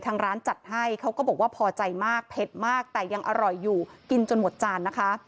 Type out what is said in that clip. ทางร้านจัดให้เขาก็บอกว่าพอใจมากเผ็ดมากแต่ยังอร่อยอยู่กินจนหมดจานนะคะ